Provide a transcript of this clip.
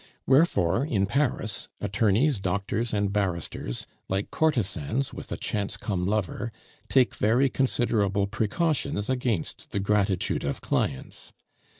Wherefore, in Paris, attorneys, doctors, and barristers, like courtesans with a chance come lover, take very considerable precautions against the gratitude of clients.